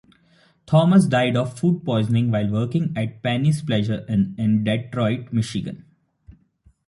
Thomas died of food poisoning while working at Penny's Pleasure Inn in Detroit, Michigan.